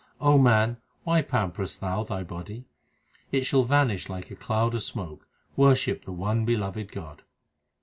O man, why pamperest thou thy body ? It shall vanish like a cloud of smoke ; worship the one beloved God.